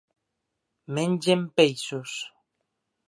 Mengen peixos.